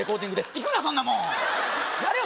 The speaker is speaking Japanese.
行くなそんなもんやれよ